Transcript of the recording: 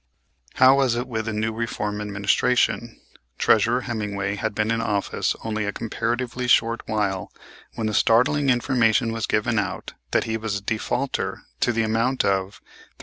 How was it with the new reform administration? Treasurer Hemmingway had been in office only a comparatively short while when the startling information was given out that he was a defaulter to the amount of $315,612.